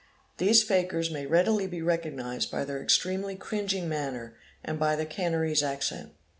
These fakirs may readily be recognised by their extremely cringing manner and by their Canarese accent.